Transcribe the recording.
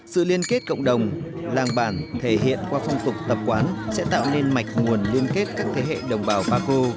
sự liên kết cộng đồng làng bản thể hiện qua phong tục tập quán sẽ tạo nên mạch nguồn liên kết các thế hệ đồng bào paco